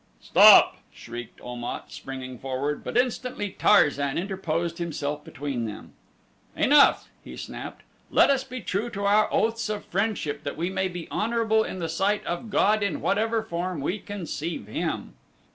"Stop!" shrieked Om at, springing forward; but instantly Tarzan interposed himself between them. "Enough!" he snapped. "Let us be true to our oaths of friendship that we may be honorable in the sight of God in whatever form we conceive Him."